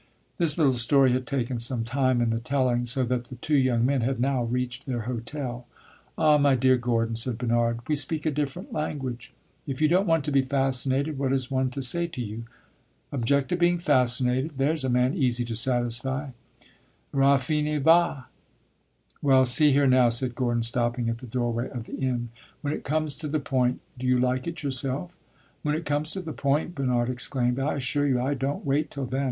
This little story had taken some time in the telling, so that the two young men had now reached their hotel. "Ah, my dear Gordon," said Bernard, "we speak a different language. If you don't want to be fascinated, what is one to say to you? 'Object to being fascinated!' There 's a man easy to satisfy! Raffine, va!" "Well, see here now," said Gordon, stopping in the door way of the inn; "when it comes to the point, do you like it yourself?" "When it comes to the point?" Bernard exclaimed. "I assure you I don't wait till then.